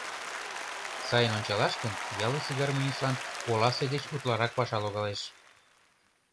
Сайын ончалаш гын, ялысе гармонистлан оласе деч утларак паша логалеш.